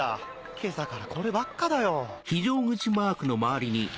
今朝からこればっかだよ。